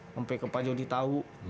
sampai ke pak joni tau